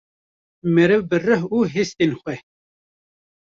Meriv bi rih û hestin xwe